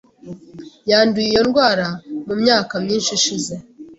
Yanduye iyo ndwara mu myaka myinshi ishize .